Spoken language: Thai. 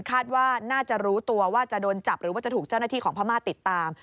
คาดว่าน่าจะรู้ตัวว่าจะโดนจับหรือว่าจะถูกเจ้าหน้าที่ของพม่าติดตาม